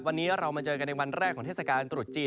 วันนี้เรามาเจอกันในวันแรกของเทศกาลตรุษจีน